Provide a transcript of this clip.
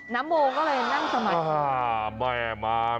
นาโบก็เลยนั่งสมาธิ